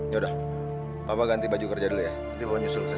yaudah papa ganti baju kerja dulu ya nanti pake nyusul kesana